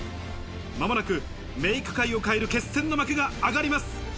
間もなくメイク界を変える決戦の幕が上がります。